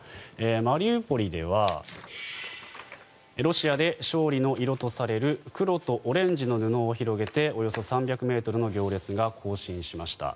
マリウポリではロシアで勝利の色とされる黒とオレンジの布を広げておよそ３００ｍの行列が行進しました。